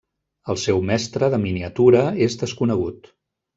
El seu mestre de miniatura és desconegut.